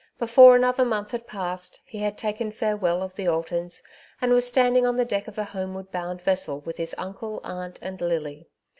Before another month had passed he had taken farewell of the Altons, and was standing on the deck of a homeward bound vessel with his nncle, aunt, and Lily.